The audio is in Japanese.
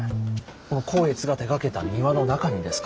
この光悦が手がけた庭の中にですか？